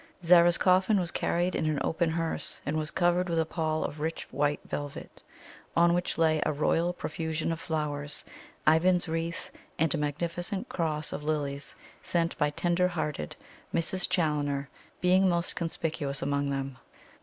Zara's coffin was carried in an open hearse, and was covered with a pall of rich white velvet, on which lay a royal profusion of flowers Ivan's wreath, and a magnificent cross of lilies sent by tender hearted Mrs. Challoner, being most conspicuous among them.